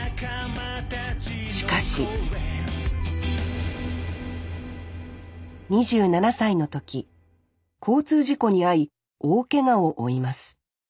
しかし２７歳の時交通事故に遭い大けがを負います。